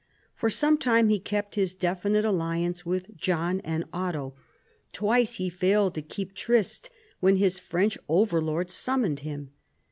For some time he kept his definite alliance with John and Otto ; twice he failed to keep tryst when his French overlord summoned him.